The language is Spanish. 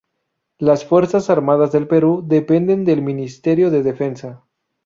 Las fuerzas armadas del Perú dependen del Ministerio de Defensa.